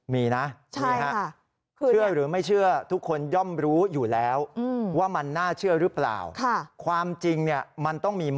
มีนะนี่ค่ะเชื่อหรือไม่เชื่อทุกคนย่อมรู้อยู่แล้วว่ามันน่าเชื่อหรือเปล่า